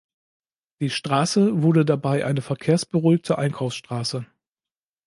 Die Straße wurde dabei eine verkehrsberuhigte Einkaufsstraße.